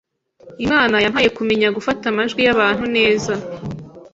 Imana yampaye kumenya gufata amajwi y’abantu neza